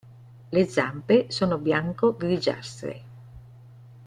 Le zampe sono bianco-grigiastre.